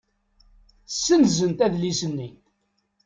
Ssenzent adlis-nni.